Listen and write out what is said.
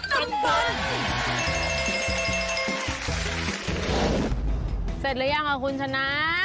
เสร็จหรือยังอ่ะคุณชนะ